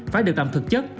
phải được làm thực chất